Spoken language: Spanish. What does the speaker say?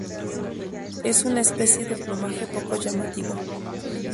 Es una especie de plumaje poco llamativo.